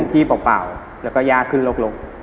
ที่เปล่าแล้วก็ยากขึ้นลก